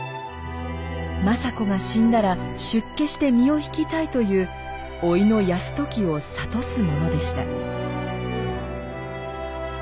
政子が死んだら出家して身を引きたいというおいの泰時を諭すものでした。